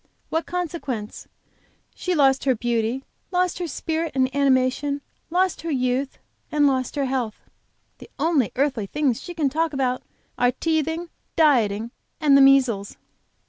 what consequence? She lost her beauty, lost her spirit and animation, lost her youth, and lost her health. The only earthly things she can talk about are teething, dieting, and the measles!"